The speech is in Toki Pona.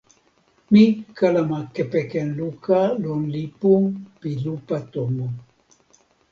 mi kalama kepeken luka lon lipu pi lupa tomo.